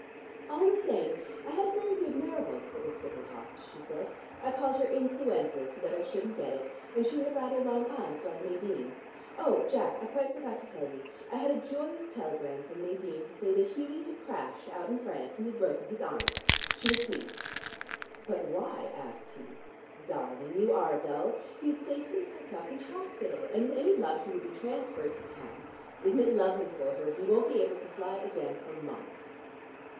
"All the same I had a very good mare once that was sickle hocked," she said. "I called her 'Influenza,' so that I shouldn't get it and she had rather long eyes like Nadine. Oh, Jack, I quite forgot to tell you. I had a joyous telegram from Nadine to say that Hughie had crashed out in France, and had broken his arm. She was pleased." "But why?" asked he. "Darling, you are dull. He's safely tucked up in hospital and with any luck he will be transferred to town. Isn't it lovely for her? He won't be ably to fly again for months."